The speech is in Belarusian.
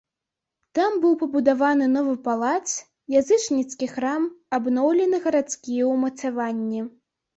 Там быў пабудаваны новы палац, язычніцкі храм, абноўлены гарадскія ўмацаванні.